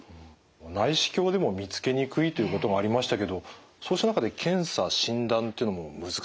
内視鏡でも見つけにくいということがありましたけどそうした中で検査診断っていうのも難しいっていうことになりますか？